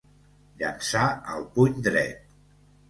Llançà el puny dret.